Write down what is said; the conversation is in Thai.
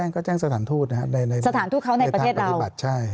ก็แจ้งสถานทูตนะครับในทางปฏิบัติสถานทูตเขาในประเทศเรา